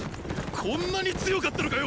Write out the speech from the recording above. こんなに強かったのかよ